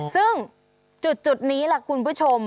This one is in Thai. ซึ่งจุดนี้ล่ะคุณผู้ชม